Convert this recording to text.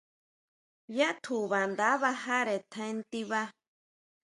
Yá tjuba nda bajare tjaen tiba.